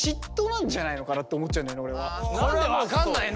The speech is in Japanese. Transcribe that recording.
「何で分かんないの！」